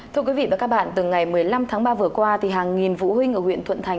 thưa quý vị và các bạn từ ngày một mươi năm tháng ba vừa qua thì hàng nghìn phụ huynh ở huyện thuận thành